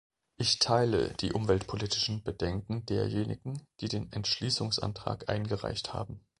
Ich teile die umweltpolitischen Bedenken derjenigen, die den Entschließungsantrag eingereicht haben.